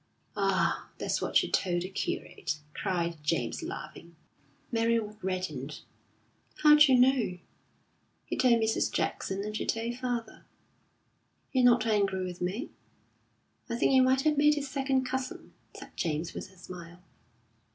"Ah, that's what you told the curate!" cried James, laughing. Mary reddened. "How d'you know?" "He told Mrs. Jackson, and she told father." "You're not angry with me?" "I think you might have made it second cousin," said James, with a smile.